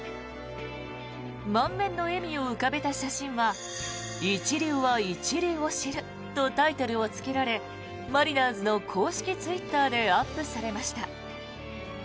満面の笑みを浮かべた写真は「一流は一流を知る」とタイトルをつけられマリナーズの公式ツイッターでアップされました。